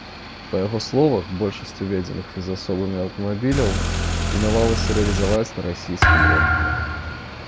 Па яго словах, большасць увезеных фізасобамі аўтамабіляў планавалася рэалізаваць на расійскім рынку.